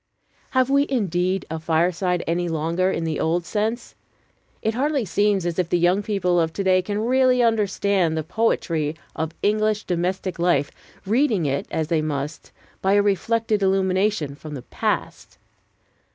Have we indeed a fireside any longer in the old sense? It hardly seems as if the young people of to day can really understand the poetry of English domestic life, reading it, as they must, by a reflected illumination from the past.